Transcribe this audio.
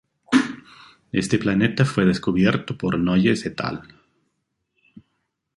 Este planeta fue descubierto por Noyes et al.